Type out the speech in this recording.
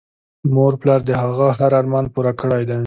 مور پلار د هغه هر ارمان پوره کړی دی